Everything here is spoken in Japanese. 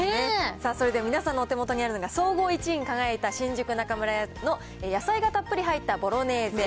それでは皆さんのお手元にあるのが、総合１位に輝いた、新宿中村屋の野菜がたっぷり入ったボロネーゼ。